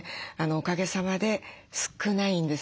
おかげさまで少ないんですね。